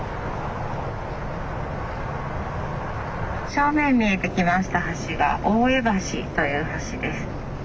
正面見えてきました橋が大江橋という橋です。